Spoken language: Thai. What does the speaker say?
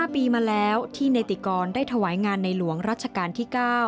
๕ปีมาแล้วที่เนติกรได้ถวายงานในหลวงรัชกาลที่๙